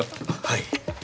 はい。